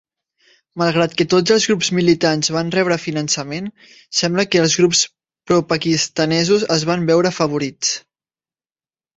Malgrat que tots els grups militants van rebre finançament, sembla que els grups propakistanesos es van veure afavorits.